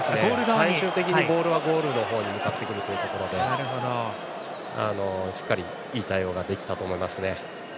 最終的にボールはゴールのところに向かってくるというところでいい対応ができたと思います。